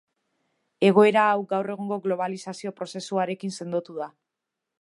Egoera hau, gaur egungo globalizazio-prozesuarekin sendotu da.